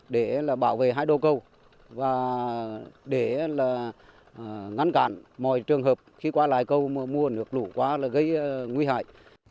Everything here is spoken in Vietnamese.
để bảo vệ hai đô cầu và để ngăn cản mọi trường hợp khi qua lại cầu mua nước lũ quá là gây nguy hại